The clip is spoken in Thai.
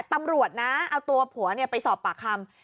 ตำรวจนะเอาตัวผัวไปสอบปากคำ